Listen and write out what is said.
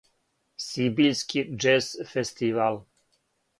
Сибиљски џез фестивал.